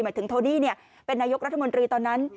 ถึงโทนี่เป็นนายกรัฐมนตรีตอนนั้น